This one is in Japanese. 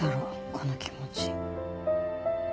この気持ち。